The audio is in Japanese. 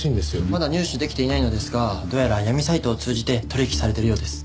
まだ入手できていないのですがどうやら闇サイトを通じて取引されているようです。